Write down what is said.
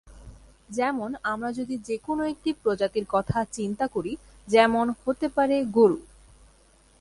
যেমন: আমরা যদি যেকোন একটি প্রজাতির কথা চিন্তা করি, যেমন: হতে পারে গরু।